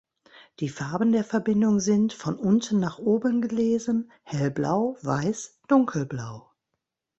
Die Farben der Verbindung sind, von unten nach oben gelesen: hellblau, weiß, dunkelblau.